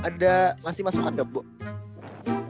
ngasih masuk hadap bu